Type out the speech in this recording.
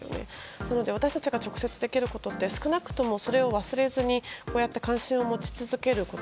なので、私たちが直接できることって少なくとも、それを忘れずに関心を持ち続けること。